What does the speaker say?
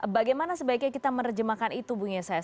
bagaimana sebaiknya kita merejemahkan itu bung yesaya